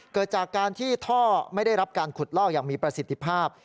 เกิดจากการที่ท่อไม่ได้รับการขุดลอกอย่างมีประสิทธิภาพ